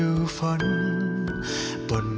สวัสดีครับ